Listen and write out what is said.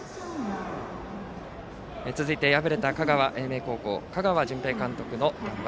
続いて、敗れた香川・英明高校香川純平監督の談話